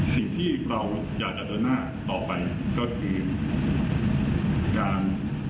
สิ่งที่เราอยากจะเดินหน้าต่อไปก็คือการ